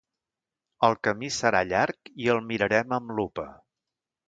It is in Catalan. El camí serà llarg i el mirarem amb lupa.